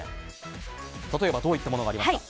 例えばどういったものがありますか？